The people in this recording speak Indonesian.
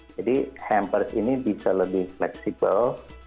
jadi hampers ini bisa lebih fleksibel